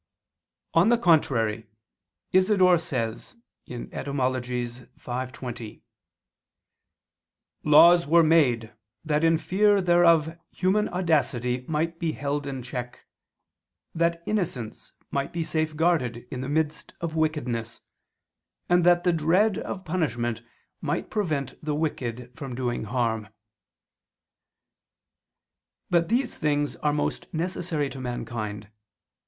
On the contrary, Isidore says (Etym. v, 20): "Laws were made that in fear thereof human audacity might be held in check, that innocence might be safeguarded in the midst of wickedness, and that the dread of punishment might prevent the wicked from doing harm." But these things are most necessary to mankind.